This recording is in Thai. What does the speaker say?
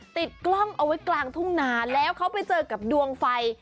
ติดกล้องเอาไว้กลางทุ่งนาแล้วเขาไปเจอกับดวงไฟ